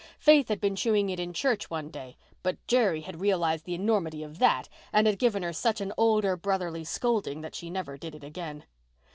Faith had been chewing it in church one day; but Jerry had realized the enormity of that, and had given her such an older brotherly scolding that she never did it again.